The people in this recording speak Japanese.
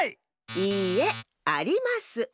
いいえあります。